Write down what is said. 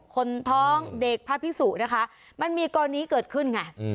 คนท้องเด็กพระพิสุนะคะมันมีกรณีเกิดขึ้นไง